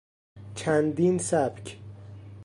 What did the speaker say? چندین سبک